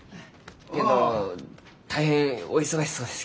けんど大変お忙しそうですき。